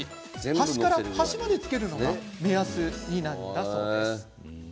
端から端までつけるのが目安になるんだそうです。